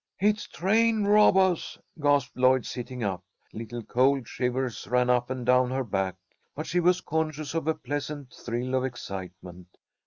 "It's train robbahs!" gasped Lloyd, sitting up. Little cold shivers ran up and down her back, but she was conscious of a pleasant thrill of excitement.